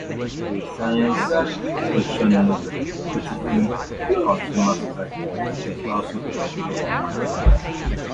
A science fiction novel critiquing consumer society, it is also illustrated by MacDonald.